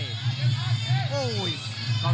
กรรมการเตือนทั้งคู่ครับ๖๖กิโลกรัม